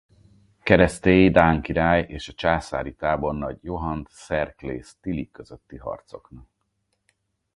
Keresztély dán király és a császári tábornagy Johann t’Serclaes Tilly közötti harcoknak.